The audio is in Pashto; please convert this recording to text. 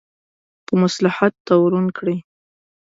په مصلحت تورن کړي.